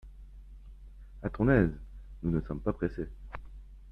A ton aise ! nous ne sommes pas pressés.